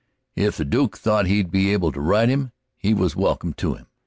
If the Duke thought he'd be able to ride him, he was welcome to him.